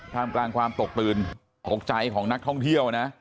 กลางความตกตื่นตกใจของนักท่องเที่ยวนะ